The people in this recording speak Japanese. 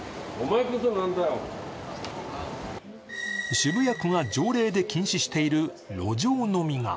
渋谷区が条例で禁止している路上飲み。